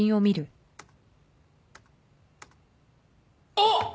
あっ！